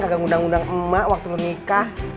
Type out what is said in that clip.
ada undang undang emak waktu menikah